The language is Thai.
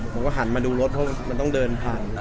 แล้วก็หันมาดูรถต้องเดินพัน